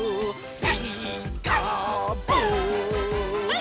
「ピーカーブ！」